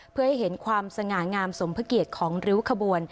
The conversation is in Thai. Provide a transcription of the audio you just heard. เพื่อให้เห็นความสง่างามสมพระเกียรติของริ้วขบวน